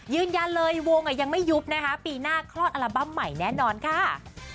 ยืนยันเลยวงอ่ะยังไม่ยุบนะคะปีหน้าคลอดอัลบั้มใหม่แน่นอนค่ะ